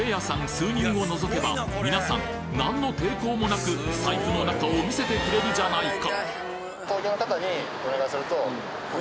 数人を除けば皆さん何の抵抗もなく財布の中を見せてくれるじゃないか！